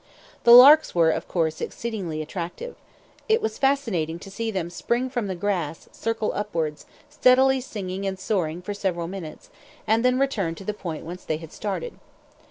The larks were, of course, exceedingly attractive. It was fascinating to see them spring from the grass, circle upwards, steadily singing and soaring for several minutes, and then return to the point whence they had started.